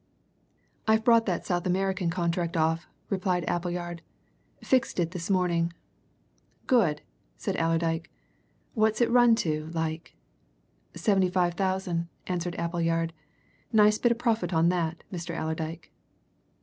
"I've brought that South American contract off," replied Appleyard. "Fixed it this morning." "Good!" said Allerdyke. "What's it run to, like?" "Seventy five thousand," answered Appleyard. "Nice bit of profit on that, Mr. Allerdyke."